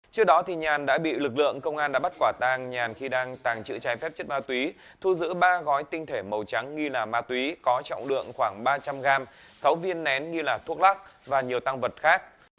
trước đó nhàn đã bị lực lượng công an đã bắt quả tàng nhàn khi đang tàng trữ trái phép chất ma túy thu giữ ba gói tinh thể màu trắng nghi là ma túy có trọng lượng khoảng ba trăm linh gram sáu viên nén nghi là thuốc lắc và nhiều tăng vật khác